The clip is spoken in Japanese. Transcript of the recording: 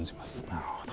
なるほど。